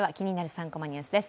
３コマニュース」です